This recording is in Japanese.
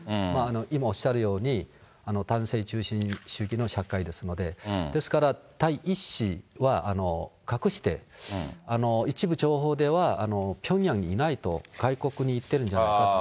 今おっしゃるように、男性中心主義の社会ですので、ですから第１子は隠して、一部情報ではピョンヤンにいないと、外国に行ってるんじゃないかと。